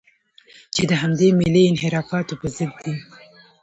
چې د همدې ملي انحرافاتو په ضد دي.